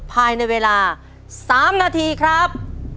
ภายในเวลา๓นาทีครับ